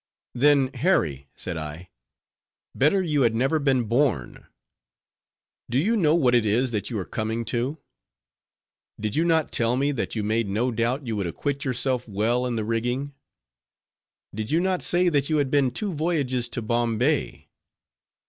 "Then, Harry," said I, "better you had never been born. Do you know what it is that you are coming to? Did you not tell me that you made no doubt you would acquit yourself well in the rigging? Did you not say that you had been two voyages to Bombay?